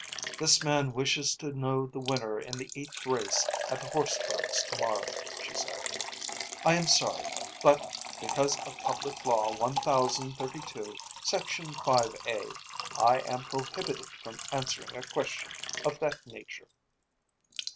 "This man wishes to know the winner in the eighth race at the horse tracks tomorrow," she said. "I am sorry, but, because of Public Law one thousand thirty two, Section five A, I am prohibited from answering a question of that nature."